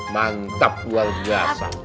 mantap luar biasa